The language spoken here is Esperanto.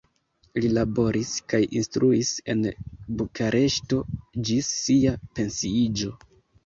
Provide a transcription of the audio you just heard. Li laboris kaj instruis en Bukareŝto ĝis sia pensiiĝo.